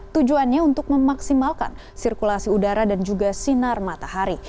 tujuannya untuk memaksimalkan sirkulasi udara dan juga sinar matahari